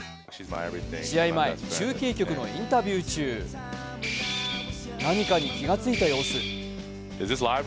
試合前、中継局のインタビュー中、何かに気がついた様子。